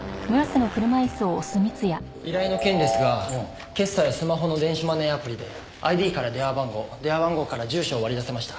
依頼の件ですが決済はスマホの電子マネーアプリでＩＤから電話番号電話番号から住所を割り出せました。